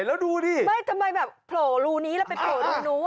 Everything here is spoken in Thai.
แล้วดูดิไม่ทำไมแบบโผล่รูนี้แล้วไปโผล่รูนู้น